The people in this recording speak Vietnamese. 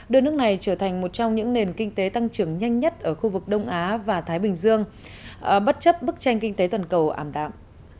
đưa nước này trở thành một trong những nền kinh tế tăng trưởng nhanh nhất ở khu vực đông á và thái bình dương bất chấp bức tranh kinh tế toàn cầu ảm đạm